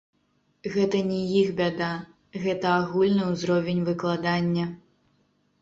Гэта не іх бяда, гэта агульны ўзровень выкладання.